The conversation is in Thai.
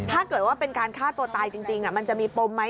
ถ้าเกิดว่าเป็นการฆ่าตัวตายจริงมันจะมีปมไหม